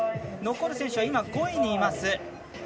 残る選手は５位にいます